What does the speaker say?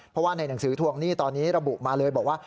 เพราะว่าในหนังสือทวงหนี้ตอนนี้ระบุมาเลยบอกว่า